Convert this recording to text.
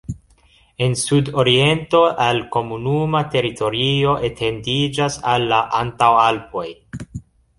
En sudoriento al komunuma teritorio etendiĝas al la Antaŭalpoj.